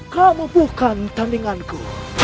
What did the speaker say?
kamu bukan tandinganku